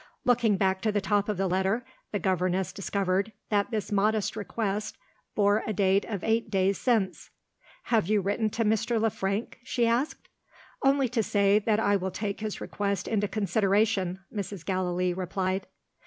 Looking back to the top of the letter, the governess discovered that this modest request bore a date of eight days since. "Have you written to Mr. Le Frank?" she asked. "Only to say that I will take his request into consideration," Mrs. Gallilee replied.